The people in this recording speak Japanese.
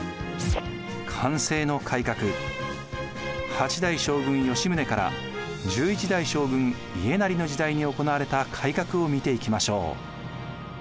８代将軍・吉宗から１１代将軍・家斉の時代に行われた改革を見ていきましょう。